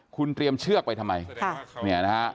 คุณเตรียมเชือกไปทำไม